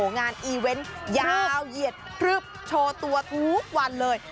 งานอีเวนต์ยาวเหยียดพลึบโชว์ตัวทุกวันเลย